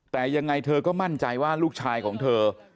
แต่ยังไงเธอก็มั่นใจว่าลูกชายของเธอ